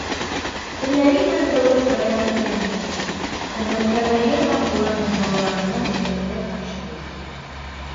Һөнәри һәм дәүләт байрамдары билдәләнә, хеҙмәткәрҙәргә һәм уларҙың балаларына бүләктәр тапшырыла.